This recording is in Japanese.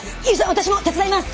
私も手伝います！